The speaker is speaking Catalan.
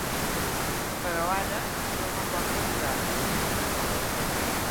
Però ara el seu record madurava.